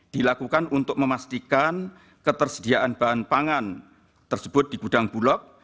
dilakukan untuk memastikan ketersediaan bahan pangan tersebut di gudang bulog